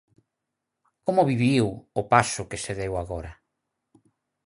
Como viviu o paso que se deu agora?